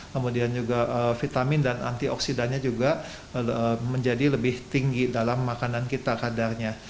kemudian juga vitamin dan antioksidannya juga menjadi lebih tinggi dalam makanan kita kadarnya